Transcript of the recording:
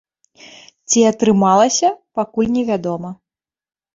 Ці атрымалася, пакуль невядома.